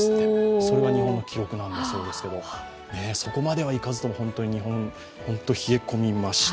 それが日本の記録なんだそうですけど、そこまではいかずとも本当に日本、冷え込みました。